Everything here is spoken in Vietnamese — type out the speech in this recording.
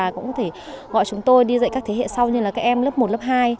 cũng có thể gọi chúng tôi đi dạy các thế hệ sau như là các em lớp một lớp hai